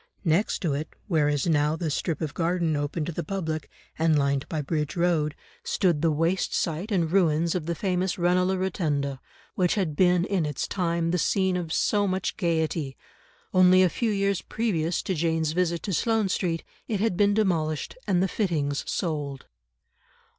Next to it, where is now the strip of garden open to the public, and lined by Bridge Road, stood the waste site and ruins of the famous Ranelagh Rotunda, which had been in its time the scene of so much gaiety; only a few years previous to Jane's visit to Sloane Street it had been demolished and the fittings sold.